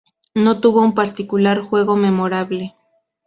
No tuvo un particular juego memorable.